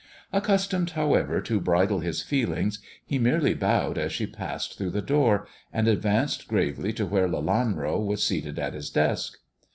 Accustomed, however, to bridle his feelings, he merely bowed as she passed through the door, and advanced gravely to where Lelanro was seated at his desk.